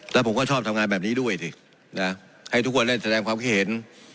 แล้วผมก็ชอบทำงานแบบนี้ด้วยสินะให้ทุกคนเล่นแสดงความคิดเห็น